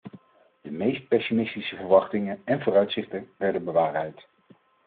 De meest pessimistische verwachtingen en vooruitzichten werden bewaarheid.